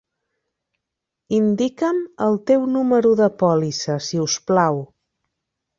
Indica'm el teu número de pòlissa, si us plau.